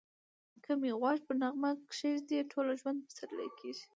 که می غوږ پر نغمه کښېږدې ټوله ژوند پسرلی کېږی